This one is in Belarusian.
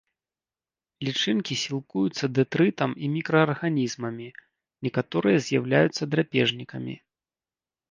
Лічынкі сілкуюцца дэтрытам і мікраарганізмамі, некаторыя з'яўляюцца драпежнікамі.